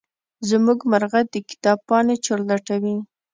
زمونږ مرغه د کتاب پاڼې چورلټوي.